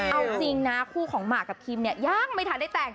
เอาจริงนะคู่ของหมากกับคิมเนี่ยยังไม่ทันได้แต่ง